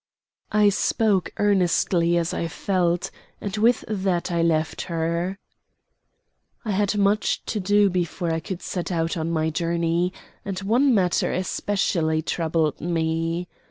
I spoke earnestly as I felt, and with that I left her. I had much to do before I could set out on my journey, and one matter especially troubled me.